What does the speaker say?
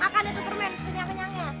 akan itu kermen kenyang kenyangnya